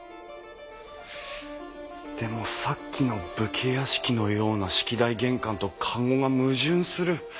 でもさっきの武家屋敷のような式台玄関と籠が矛盾する。